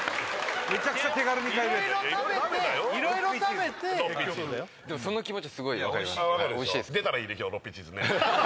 めちゃくちゃ手軽に買えるやつ色々食べて色々食べてでもその気持ちはすごい分かりますおいしいです